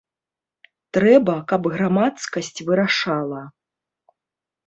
Трэба, каб грамадскасць вырашала.